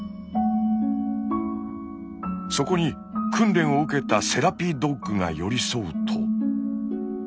そこに訓練を受けたセラピードッグが寄り添うと。